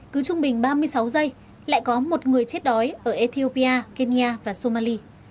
cứ trung bình ba mươi sáu giây lại có một người chết đói ở ethiopia kenya và somali